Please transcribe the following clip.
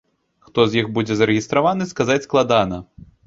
Хто з іх будзе зарэгістраваны, сказаць складана.